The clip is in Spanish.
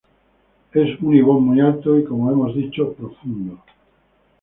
Es un ibón muy alto y, como hemos dicho, profundo.